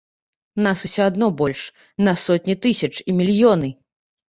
Нас усё адно больш, нас сотні тысяч і мільёны.